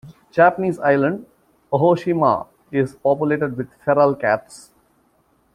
Japanese island Aoshima is populated with feral cats.